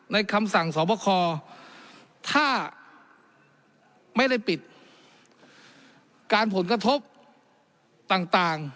คำสั่งสอบคอถ้าไม่ได้ปิดการผลกระทบต่าง